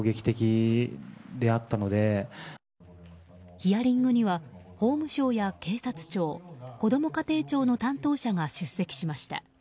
ヒアリングには法務省や警察庁こども家庭庁の担当者が出席しました。